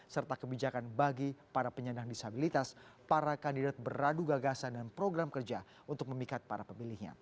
serta kebijakan bagi para penyandang disabilitas para kandidat beradu gagasan dan program kerja untuk memikat para pemilihnya